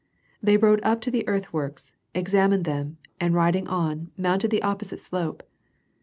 They^^ rode up to the earth works, examined them, and riding ^..i, niotmted the opj)osite slope.